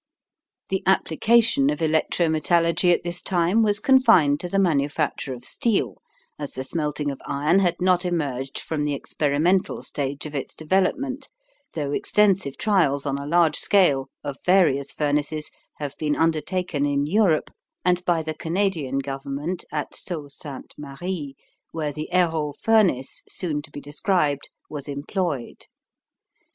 The application of electro metallurgy at this time was confined to the manufacture of steel, as the smelting of iron had not emerged from the experimental stage of its development, though extensive trials on a large scale of various furnaces have been undertaken in Europe and by the Canadian government at Sault Ste. Marie, where the Heroult furnace, soon to be described, was employed.